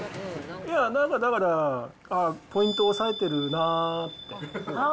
いや、なんかだから、ポイント押さえてるなぁって。